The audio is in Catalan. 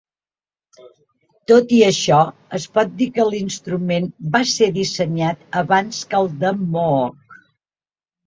Tot i això, es pot dir que l'instrument va ser dissenyat abans que el de Moog.